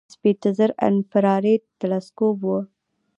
د سپیتزر انفراریډ تلسکوپ و.